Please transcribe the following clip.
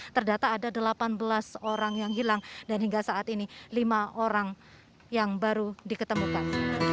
terdata ada delapan belas orang yang hilang dan hingga saat ini lima orang yang baru diketemukan